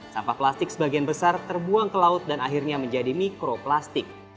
sampah plastik sebagian besar terbuang ke laut dan akhirnya menjadi mikroplastik